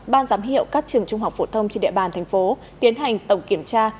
ban giám hiệu các trường trung học phổ thông trên địa bàn thành phố tiến hành tổng kiểm tra